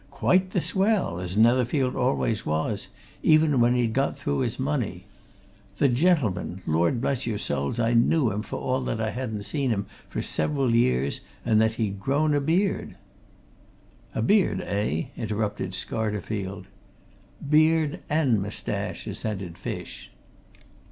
Quite the swell as Netherfield always was, even when he'd got through his money. The gentleman! Lord bless your souls, I knew him, for all that I hadn't seen him for several years, and that he'd grown a beard!" "A beard, eh " interrupted Scarterfield. "Beard and moustache," assented Fish.